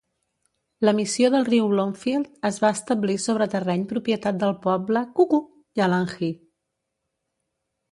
La missió del riu Bloomfield es va establir sobre terreny propietat del poble Kuku-Yalanji.